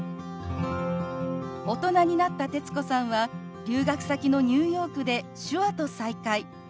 大人になった徹子さんは留学先のニューヨークで手話と再会。